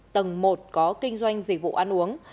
tầng một có kinh doanh dịch vụ ăn uống